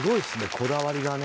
こだわりがね